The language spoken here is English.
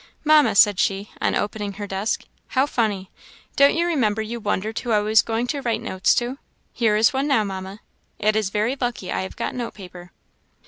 Mamma," said she, on opening her desk, "how funny! don't you remember you wondered who I was going to write notes to? Here is one now, Mamma; it is very lucky I have got note paper."